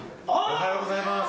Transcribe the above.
おはようございます。